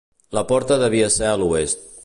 La porta devia ser a l'oest.